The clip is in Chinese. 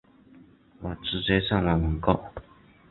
我直接上网网购